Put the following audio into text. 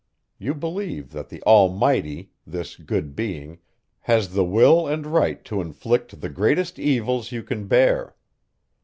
You believe that the Almighty, this good being, has the will and right to inflict the greatest evils, you can bear!